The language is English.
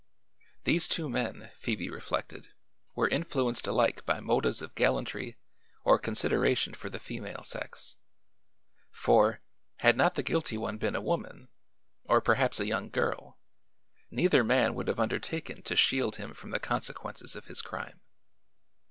These two men, Phoebe reflected, were influenced alike by motives of gallantry or consideration for the female sex; for, had not the guilty one been a woman or perhaps a young girl neither man would have undertaken to shield him from the consequences of his crime.